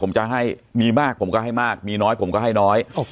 ผมจะให้มีมากผมก็ให้มากมีน้อยผมก็ให้น้อย